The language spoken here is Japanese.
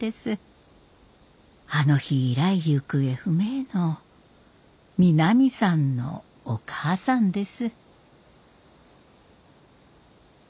あの日以来行方不明の美波さんのお母さんです。